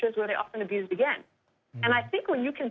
และพวกเลือกข้อมูลอย่างนั้นจะทำให้เวทย์สินค้าขยาย